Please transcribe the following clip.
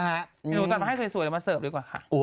หนูตัดมาให้สวยเดี๋ยวมาเสิร์ฟดีกว่าค่ะ